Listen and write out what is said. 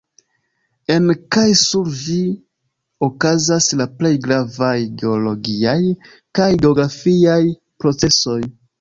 En kaj sur ĝi okazas la plej gravaj geologiaj kaj geografiaj procesoj.